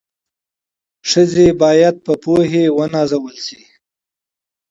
ښځي بايد په پوهي و نازول سي